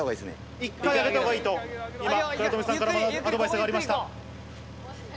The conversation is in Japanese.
一回上げたほうがいいと、今、倉冨さんからアドバイスがありました。